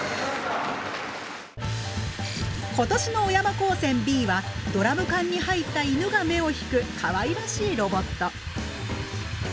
今年の小山高専Ｂはドラム缶に入った犬が目を引くかわいらしいロボット。